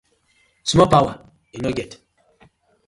Small powar yu no get.